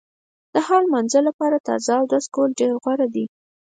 د هر مانځه لپاره تازه اودس کول ډېر غوره دي.